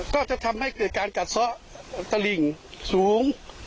ก็จะทำให้เกิดการกัดซะตะหลิ่งสูง